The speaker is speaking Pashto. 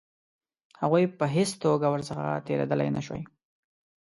هغوی په هېڅ توګه ورڅخه تېرېدلای نه شوای.